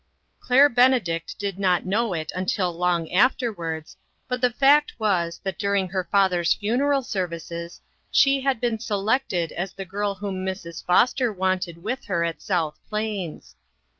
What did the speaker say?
Claire Benedict did not know it until long afterwards, but the fact was, that dur ing her father's funeral services she had 82 INTERRUPTED. been selected as the girl whom Mrs. Foster wanted with her at South Plains.